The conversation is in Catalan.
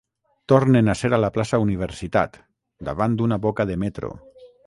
Tornen a ser a la plaça Universitat, davant d'una boca de metro.